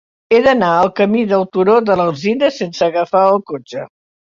He d'anar al camí del Turó de l'Alzina sense agafar el cotxe.